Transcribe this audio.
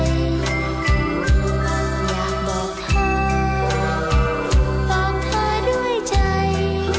อยากบอกเธอฟังเธอด้วยใจ